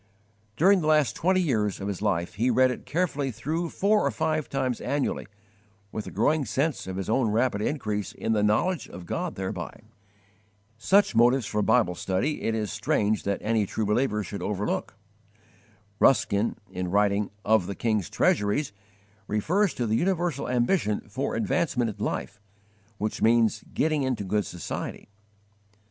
_ During the last twenty years of his life he read it carefully through, four or five times annually, with a growing sense of his own rapid increase in the knowledge of God thereby. Such motives for Bible study it is strange that any true believer should overlook. Ruskin, in writing "Of the King's Treasuries," refers to the universal ambition for 'advancement in life,' which means 'getting into good society.'